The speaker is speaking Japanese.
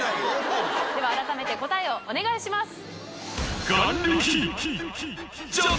では改めて答えをお願いします。